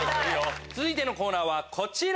続いてのコーナーはこちら！